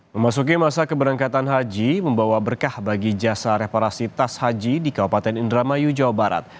memasuki masa keberangkatan haji membawa berkah bagi jasa reparasi tas haji di kabupaten indramayu jawa barat